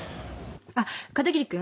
あっ片桐君。